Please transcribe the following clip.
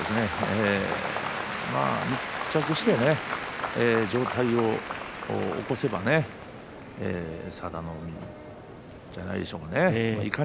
密着して上体を起こせば佐田の海じゃないでしょうか。